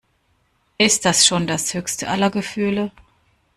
Ist das schon das höchste aller Gefühle?